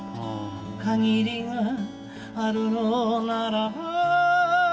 「限りがあるのならば」